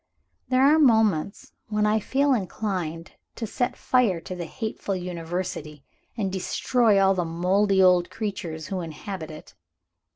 There are moments when I feel inclined to set fire to the hateful University, and destroy all the moldy old creatures who inhabit it.